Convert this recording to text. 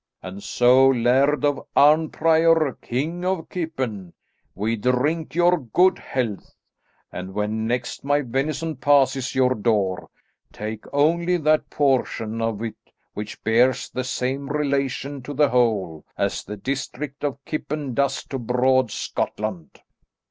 And so, Laird of Arnprior, King of Kippen, we drink your good health, and when next my venison passes your door, take only that portion of it which bears the same relation to the whole, as the district of Kippen does to broad Scotland."